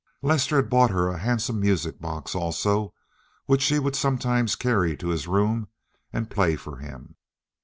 Lester had bought her a handsome music box also, which she would sometimes carry to his room and play for him.